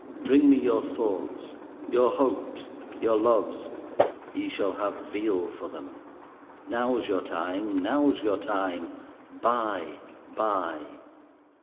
Bring me your thoughts, your hopes, your loves; ye shall have Veal for them. Now's your time! Now's your time! Buy! Buy!"